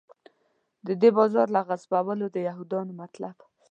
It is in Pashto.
د دې بازار له غصبولو د یهودانو مطلب.